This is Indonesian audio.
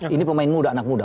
ini pemain muda anak muda